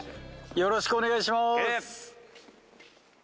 ・よろしくお願いします。